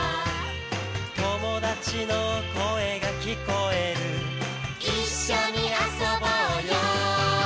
「友達の声が聞こえる」「一緒に遊ぼうよ」